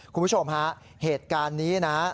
คุณผู้ชมฮะเหตุการณ์นี้นะ